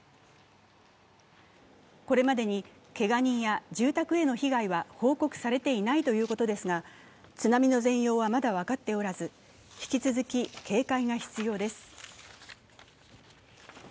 これまでにけが人や住宅への被害は報告されていないということですが津波の全容はまだ分かっておらず、引き続き警戒が必要です。